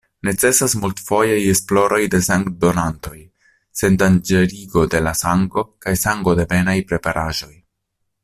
Necesas multfojaj esploroj de sangdonantoj, sendanĝerigo de la sango kaj sangodevenaj preparaĵoj.